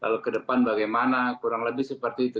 kalau ke depan bagaimana kurang lebih seperti itu